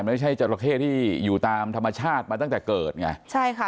ไม่ใช่จราเข้ที่อยู่ตามธรรมชาติมาตั้งแต่เกิดไงใช่ค่ะ